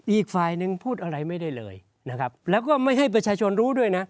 อีกฝ่ายนึงพูดอะไรไม่ได้เลยนะครับแล้วก็ไม่ให้ประชาชนรู้ด้วยนะ